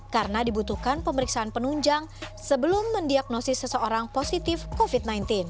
karena dibutuhkan pemeriksaan penunjang sebelum mendiagnosis seseorang positif covid sembilan belas